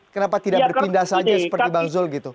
kenapa tidak berpindah saja seperti bang zulkifri